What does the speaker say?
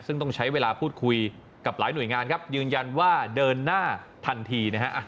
ซึ่งต้องใช้เวลาพูดคุยกับหลายหน่วยงานครับยืนยันว่าเดินหน้าทันทีนะฮะ